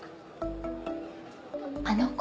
あの子